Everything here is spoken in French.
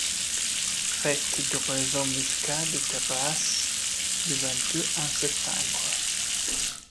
Fête du raisin muscat des terrasses du Ventoux en septembre.